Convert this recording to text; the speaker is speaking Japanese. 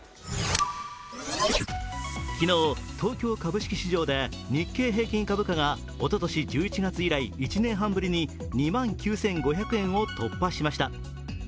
昨日、東京株式市場で日経平均株価がおととし１１月以来１年半ぶりに２万９５００円を突破しました。